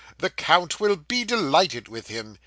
The count will be delighted with him.